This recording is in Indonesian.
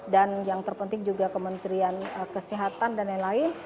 dan yang terpenting juga kementerian kesehatan dan lain lain